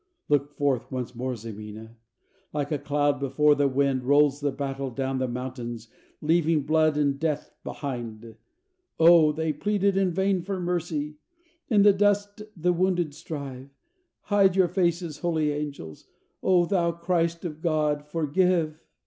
Look forth once more Ximena! like a cloud before the wind Rolls the battle down the mountains leaving blood and death behind. Oh! they plead in vain for mercy in the dust the wounded strive; Hide your faces, holy angels! O thou Christ of God forgive!